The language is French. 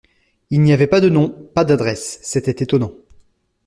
Il n’y avait pas de nom, pas d’adresse, c’était étonnant.